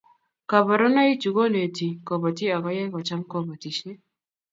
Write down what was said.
Koborunoichu konetu kobotik akoyai kocham kobotisiet